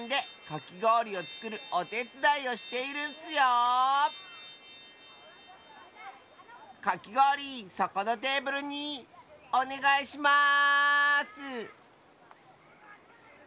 かきごおりそこのテーブルにおねがいします！